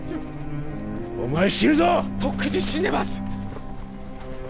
お前死ぬぞとっくに死んでます